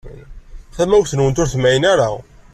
Tamawt-nwent ur temɛin ara.